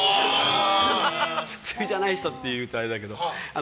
普通じゃない人って言うとあれだけど。